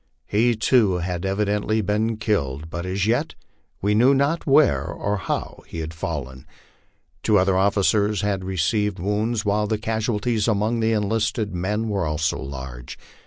He, too had evidently been killed, but as yet we knew not where or how he had fallen. Two other officers had received wounds, while the casualties among the enlisted men were also large.